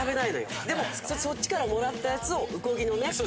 でもそっちからもらったやつをウコギのね。